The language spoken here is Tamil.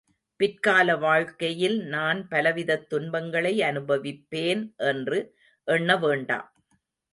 பிற்கால வாழ்க்கையில் நான் பலவிதத் துன்பங்களை அனுபவிப்பேன் என்று எண்ண வேண்டாம்.